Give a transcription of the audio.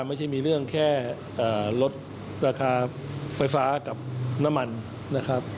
ไม่ใช่มีเรื่องแค่ลดราคาไฟฟ้ากับน้ำมันนะครับ